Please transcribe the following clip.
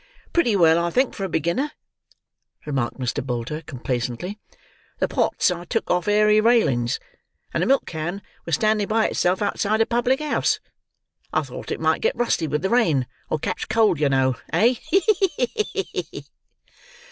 "Pretty well, I think, for a beginner," remarked Mr. Bolter complacently. "The pots I took off airy railings, and the milk can was standing by itself outside a public house. I thought it might get rusty with the rain, or catch cold, yer know. Eh? Ha! ha!